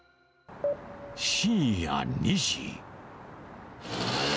深夜２時。